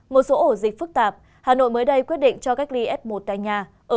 một số ổ dịch phức tạp hà nội mới đây quyết định cho cách ly f một tại nhà